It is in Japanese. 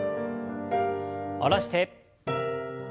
下ろして。